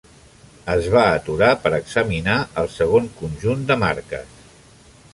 Es va aturar per examinar el segon conjunt de marques.